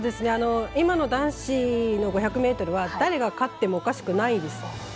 今の男子の５００ｍは誰が勝ってもおかしくないです。